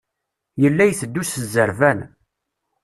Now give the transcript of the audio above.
Yella iteddu s zzerban.